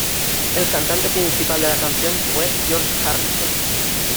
El cantante principal de la canción fue George Harrison.